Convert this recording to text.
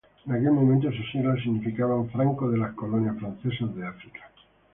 En aquel momento sus siglas significaban "franco de las Colonias Francesas de África".